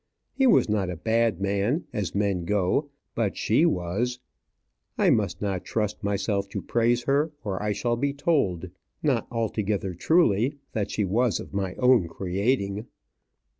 He was not a bad man, as men go; but she was . I must not trust myself to praise her, or I shall be told, not altogether truly, that she was of my own creating.